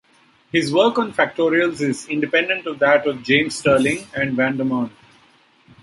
His work on factorials is independent of that of James Stirling and Vandermonde.